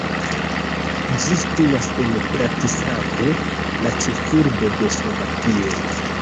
Ĝi situas en Bratislavo, la ĉefurbo de Slovakio.